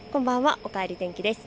おかえり天気です。